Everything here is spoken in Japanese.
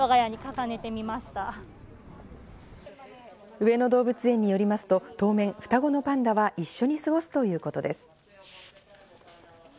上野動物園によりますと、当面、双子のパンダは一緒に過ごすということです。